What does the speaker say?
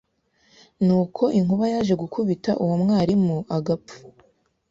n’uko inkuba yaje gukubita uwo mwarimu agapfa,